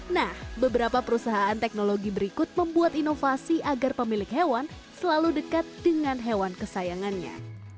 nah beberapa perusahaan teknologi berikut membuat inovasi agar pemilik hewan selalu dekat dengan hewan kesayangannya